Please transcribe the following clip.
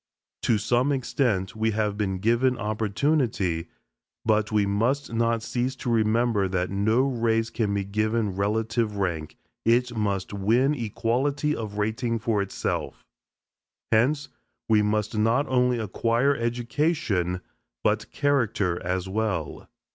To some extent we have been given opportunity, but we must not cease to remember that no race can be given relative rank it must win equality of rating for itself. Hence, we must not only acquire education, but character as well.